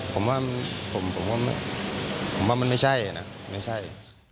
ผมว่าผมว่ามันไม่ใช่นะไม่ใช่